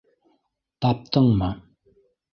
Таптыңмы?